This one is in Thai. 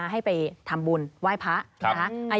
ให้ไปทำบุญไหว้พระ